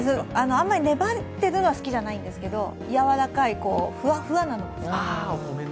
あんまり粘っているのは好きじゃないんですけど、ふわふわ感が。